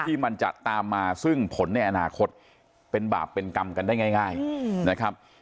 ที่มันจะตามมาซึ่งผลในอนาคตเป็นบาปเป็นกรรมกันได้ง่ายนะครับ